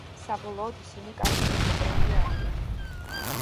საბოლოოდ, ისინი კარგი მეგობრები არიან.